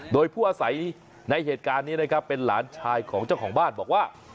โดยผู้อาศัยในเหตุการณ์นี้นะครับเป็นหลานชายของเจ้าของบ้านบอกว่า